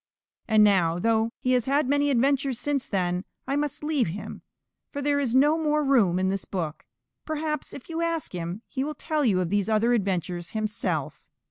And now, though he has had many adventures since then, I must leave him, for there is no more room in this book. Perhaps if you ask him, he will tell you of these other adventures himself.